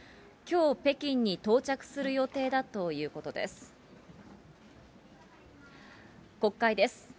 きょう、北京に到着する予定だということです。